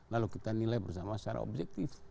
lalu kita nilai bersama secara objektif